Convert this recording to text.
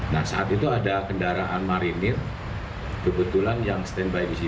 nah saat itu ada kendaraan marinir kebetulan yang standby di sini